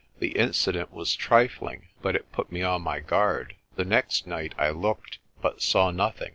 The incident was trifling, but it put me on my guard. The next night I looked, but saw nothing.